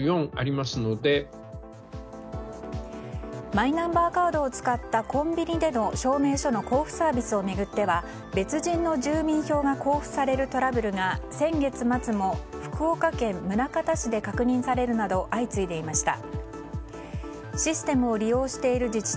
マイナンバーカードを使ったコンビニでの証明書の交付サービスを巡っては別人の住民票が交付されるトラブルが先月末も福岡県宗像市で確認されるなど相次いでいました。